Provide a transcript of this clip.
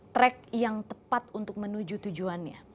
track yang tepat untuk menuju tujuannya